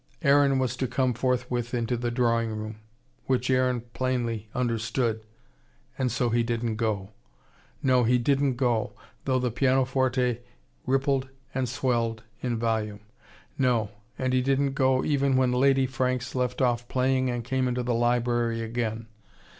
Aaron was to come forthwith into the drawing room. Which Aaron plainly understood and so he didn't go. No, he didn't go, though the pianoforte rippled and swelled in volume. No, and he didn't go even when Lady Franks left off playing and came into the library again.